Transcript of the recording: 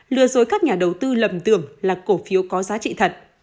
lừa dối các nhà đầu tư lầm tưởng là cổ phiếu có giá trị thật